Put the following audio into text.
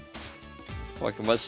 負けました。